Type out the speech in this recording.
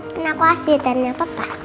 dan aku asetannya papa